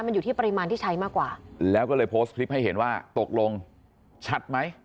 มันอยู่ที่ปริมาณที่ใช้มากกว่าแล้วก็เลยโพสต์คลิปให้เห็นว่าตกลงชัดไหม